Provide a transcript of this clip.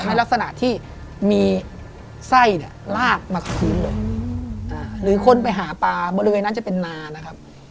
ในลักษณะที่มีไส้เนี่ยลากมาพื้นเลยหรือคนไปหาปลาบริเวณนั้นจะเป็นนานะครับ